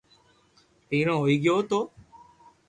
ڀیرون ھوئي گیونھ